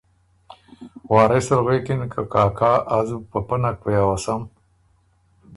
وارث ال غوېکِن که ”کاکا از بُو په پۀ نک پوی اؤسم